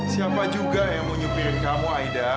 siapa juga yang mau nyupirin kamu aida